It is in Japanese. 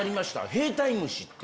兵隊虫って。